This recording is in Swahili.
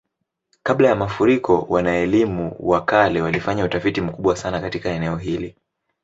Kabla ya mafuriko, wana-elimu wa kale walifanya utafiti mkubwa sana katika eneo hili.